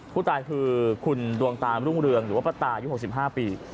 ผู้ตายคือคุณดวงตามรุ่งเรืองหรือว่าป้าตายุ๖๕ปี